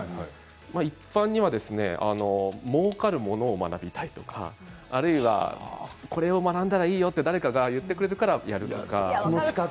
一般的にはもうかるものを学びたいとかあるいは、これを学んだらいいよと誰かが言ってくれるからやるとか。